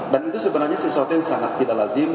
dan itu sebenarnya sesuatu yang sangat tidak lazim